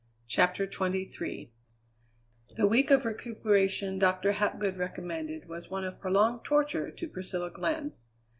CHAPTER XXIII The week of recuperation Doctor Hapgood recommended was one of prolonged torture to Priscilla Glenn.